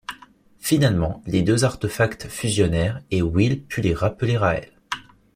Finalement les deux artefacts fusionnèrent et Will put les rappeler à elle.